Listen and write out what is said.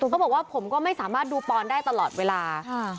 เขาบอกว่าผมก็ไม่สามารถดูปอนได้ตลอดเวลา